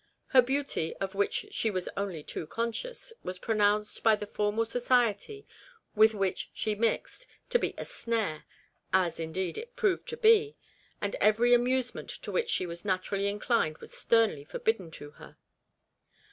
Her beauty, REBECCAS REMORSE. 227 of which she was only too conscious, was pro nounced by the formal society with which she mixed, to be a snare (as indeed it proved to be), and every amusement to which she was natur ally inclined was sternly forbidden to her.